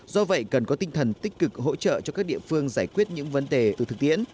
do vậy cần có tinh thần tích cực hỗ trợ cho các địa phương giải quyết những vấn đề từ thực tiễn